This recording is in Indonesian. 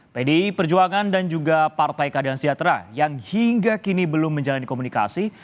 pdi perjuangan dan juga partai keadilan sejahtera yang hingga kini belum menjalani komunikasi